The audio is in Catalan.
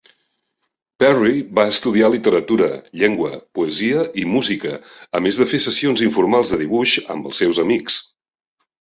Perry va estudiar literatura, llengua, poesia i música, a més de fer sessions informals de dibuix amb els seus amics.